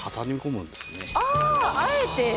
ああえて！